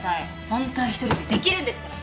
ホントは一人でできるんですから！